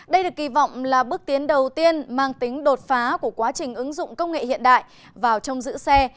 đây được kỳ vọng là bước tiến đầu tiên mang tính đột phá của quá trình ứng dụng công nghệ hiện đại vào trong giữ xe